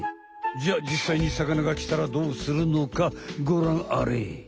じゃあじっさいにさかながきたらどうするのかごらんあれ。